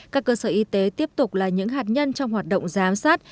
các cơ sở y tế tiếp tục là những hạt nhân trong hoạt động giám sát